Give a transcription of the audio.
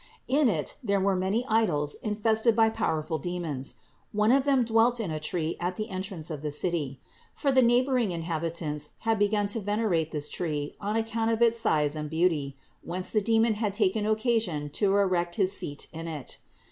In it there were many idols infested by powerful demons. One of them .dwelt in a tree at the entrance of the city ; for the neighboring inhabitants had THE INCARNATION 553 begun to venerate this tree on account of its size and beauty, whence the demon had taken occasion to erect his seat in it.